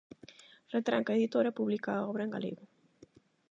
Retranca Editora publica a obra en galego.